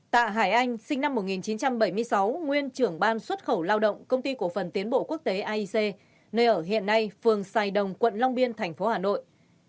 tạ hải anh sinh năm một nghìn chín trăm bảy mươi sáu nguyên trưởng ban xuất khẩu lao động công ty cổ phần tiến bộ quốc tế aic nơi ở hiện nay phường sài đồng quận long biên thành phố hà nội